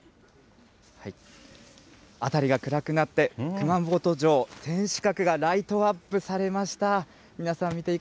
あたりが暗くなって、熊本城天守閣がライトアップされました。